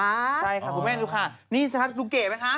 ใช่ค่ะคุณแอนดูค่ะนี่สามารถดูเก่นไหมคะ